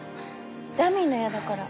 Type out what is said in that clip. ダミーの矢だから。